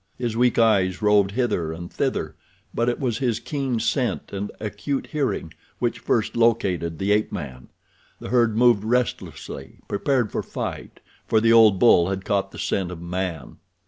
His weak eyes roved hither and thither but it was his keen scent and acute hearing which first located the ape man. The herd moved restlessly, prepared for fight, for the old bull had caught the scent of man.